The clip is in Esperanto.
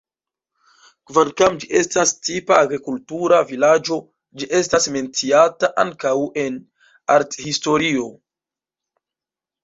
Kvankam ĝi estas tipa agrikultura vilaĝo, ĝi estas menciata ankaŭ en arthistorio.